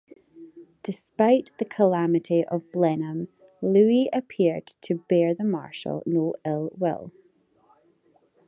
Despite the calamity of Blenheim, Louis appeared to bear the Marshal no ill will.